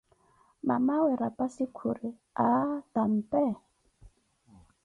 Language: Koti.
Mamawe rapassi khuri aaah tápeh.